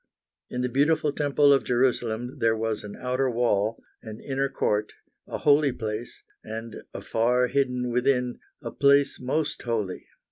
In the beautiful temple of Jerusalem there was an outer wall, an inner court, "a holy place," and afar hidden within, "a place most holy."